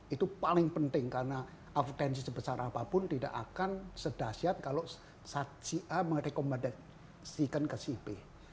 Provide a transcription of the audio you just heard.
itu paling penting karena abtensi sebesar apapun tidak akan sedahsyat kalau si a merekomendasikan ke si b